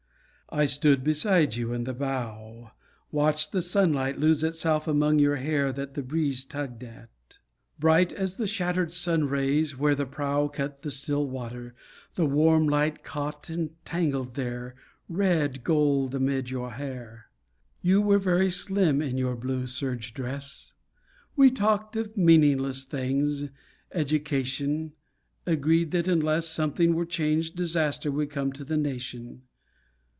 I stood beside you in the bow, Watched the sunlight lose itself among your hair, That the breeze tugged at. Bright as the shattered sun rays, where the prow Cut the still water, The warm light caught and tangled there, Red gold amid your hair. You were very slim in your blue serge dress.... We talked of meaningless things, education, Agreed that unless, Something were changed disaster would come to the nation.